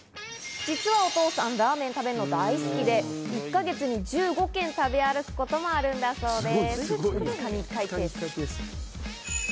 実はお父さん、ラーメンを食べるのが大好きで１か月に１５軒、食べ歩くこともあるんだそうです。